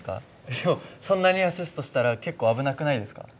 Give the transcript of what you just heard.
でもそんなにアシストしたら結構危なくないですか？